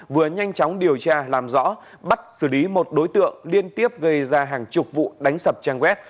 vừa nhanh chóng điều tra làm rõ bắt xử lý một đối tượng liên tiếp gây ra hàng chục vụ đánh sập trang web